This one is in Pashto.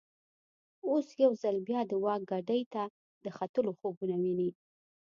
اوس یو ځل بیا د واک ګدۍ ته د ختلو خوبونه ویني.